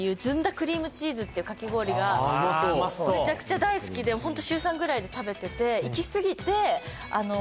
クリームチーズっていうかき氷がめちゃくちゃ大好きでホント週３ぐらいで食べてて行きすぎてえ？